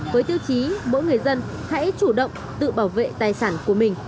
với tiêu chí mỗi người dân hãy chủ động tự bảo vệ tài sản của mình